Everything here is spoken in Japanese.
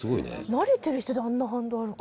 慣れてる人であんな反動あるか。